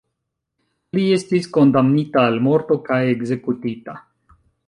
Li estis kondamnita al morto kaj ekzekutita.